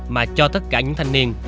mà cho tất cả những thanh niên